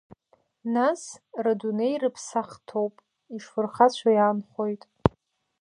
Нас, рыдунеи рыԥсахтоуп, ишфырхацәоу иаанхоит.